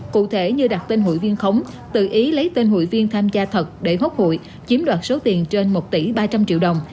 cụ thể như đặt tên hụi viên khống tự ý lấy tên hụi viên tham gia thật để hốt hụi chiếm đoạt số tiền trên một tỷ ba trăm linh triệu đồng